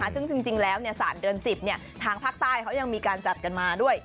ซึ่งจริงแล้วเนี่ยศาสตร์เดือน๑๐เนี่ยทางภาคใต้เขายังมีการจัดกันมาด้วย